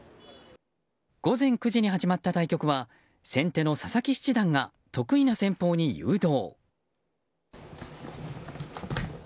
午前９時に始まった対局は先手の佐々木七段が得意な戦法に誘導。